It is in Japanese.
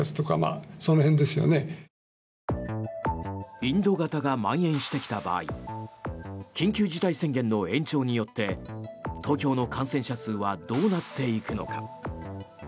インド型がまん延してきた場合緊急事態宣言の延長によって東京の感染者数はどうなっていくのか。